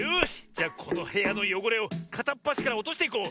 じゃこのへやのよごれをかたっぱしからおとしていこう。